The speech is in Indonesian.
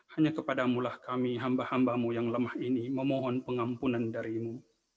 hanya kepadamulah kami hamba hambamu yang lemah ini memohon pengampunan darimu